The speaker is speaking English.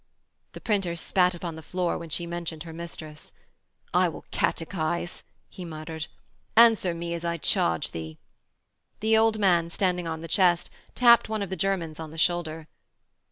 The printer spat upon the floor when she mentioned her mistress. 'I will catechize,' he muttered. 'Answer me as I charge thee.' The old man, standing on the chest, tapped one of the Germans on the shoulder.